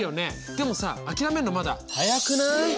でもさ諦めんのまだ早くない。